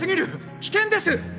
危険です！